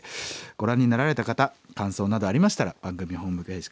ご覧になられた方感想などありましたら番組ホームページから送って下さい。